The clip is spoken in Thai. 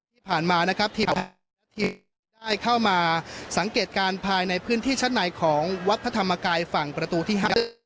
ที่ผ่านมานะครับทีมได้เข้ามาสังเกตการณ์ภายในพื้นที่ชั้นในของวัดพระธรรมกายฝั่งประตูที่๕